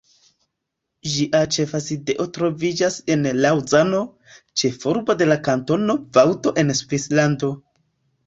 Ĝia ĉefa sidejo troviĝas en Laŭzano, ĉefurbo de la Kantono Vaŭdo en Svislando.